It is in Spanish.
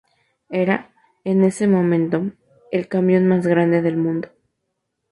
Era, en ese momento, el camión más grande del mundo.